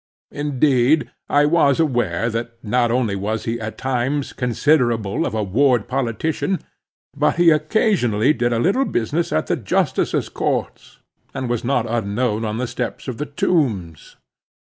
Indeed I was aware that not only was he, at times, considerable of a ward politician, but he occasionally did a little business at the Justices' courts, and was not unknown on the steps of the Tombs.